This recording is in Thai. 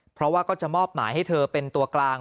เพราะว่าก็จะมอบหมายให้เธอเป็นตัวกลาง